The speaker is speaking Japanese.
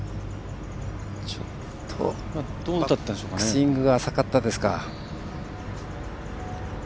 ちょっとバックスイングが浅かったですか。